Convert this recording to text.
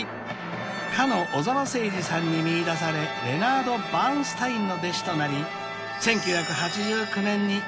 ［かの小澤征爾さんに見いだされレナード・バーンスタインの弟子となり］